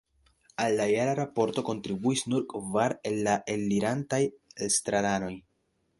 Al la jara raporto kontribuis nur kvar el la elirantaj estraranoj.